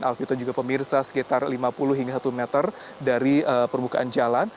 alvito juga pemirsa sekitar lima puluh hingga satu meter dari permukaan jalan